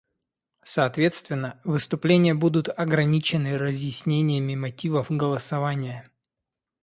Соответственно, выступления будут ограничены разъяснениями мотивов голосования.